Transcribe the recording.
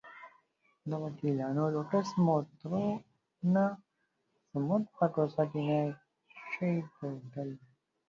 د وکیلانو لوکس موټرونه زموږ په کوڅه کې نه شي تېرېدلی.